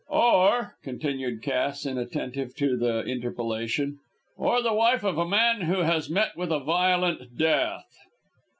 "Or," continued Cass, inattentive to the interpolation, "or the wife of a man who has met with a violent death."